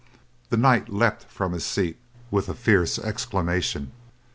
The knight leapt from his seat with a fierce exclamation.